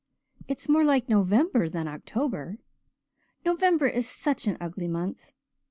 "It's more like November than October November is such an ugly month."